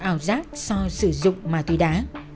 ảo giác so sử dụng mà tùy đá